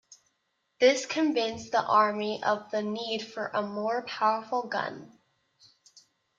This convinced the army of the need for a more powerful gun.